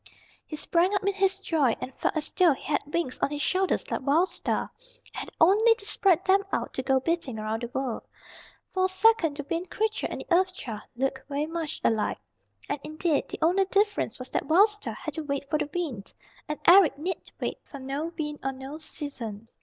He sprang up in his joy, and felt as though he had wings on his shoulders like Wild Star, and had only to spread them out to go beating around the world. For a second the Wind Creature and the Earth Child looked very much alike. And indeed, the only difference was that Wild Star had to wait for the wind, and Eric need wait for no wind or no season.